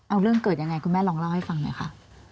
เอาเรื่องเกิดยังไงคุณแม่ลองเล่าให้ฟังหน่อยค่ะ